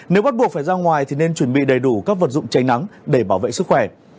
nếu bắt buộc phải ra ngoài thì nên chuẩn bị đầy đủ các vật dụng tránh nắng để bảo vệ sức khỏe